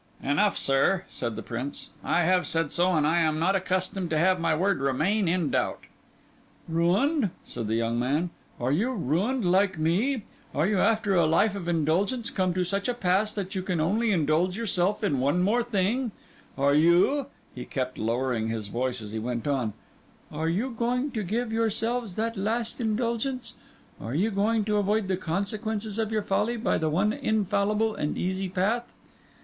"Enough, sir," said the Prince; "I have said so, and I am not accustomed to have my word remain in doubt." "Ruined?" said the young man. "Are you ruined, like me? Are you, after a life of indulgence, come to such a pass that you can only indulge yourself in one thing more? Are you"—he kept lowering his voice as he went on—"are you going to give yourselves that last indulgence? Are you going to avoid the consequences of your folly by the one infallible and easy path?